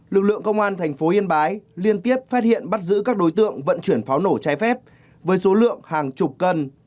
lực lượng công an thành phố yên bái liên tiếp phát hiện bắt giữ các đối tượng vận chuyển pháo nổ trái phép với số lượng hàng chục cân